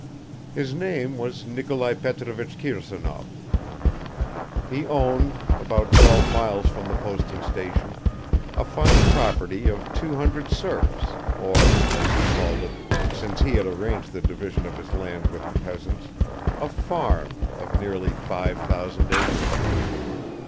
His name was Nikolai Petrovich Kirsanov. He owned, about twelve miles from the posting station, a fine property of two hundred serfs or, as he called it since he had arranged the division of his land with the peasants a "farm" of nearly five thousand acres.